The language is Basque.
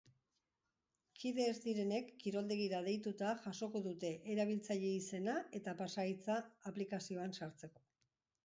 Kide ez direnek kiroldegira deituta jasoko dute erabiltzaile izena eta pasahitza aplikazioan sartzeko.